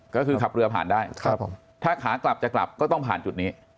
ก็คือขับเรือผ่านได้ถ้าขากลับจะกลับก็ต้องผ่านจุดนี้